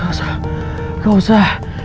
gak usah gak usah